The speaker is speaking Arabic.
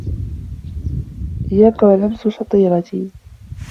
إيّاك ولمس شطيرتي!